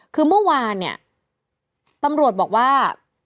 คือเมื่อวานเนี่ยตำรวจบอกว่า